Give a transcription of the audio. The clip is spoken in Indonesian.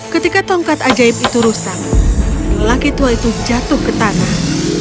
ketika tongkat ajaib itu rusak lelaki tua itu jatuh ke tanah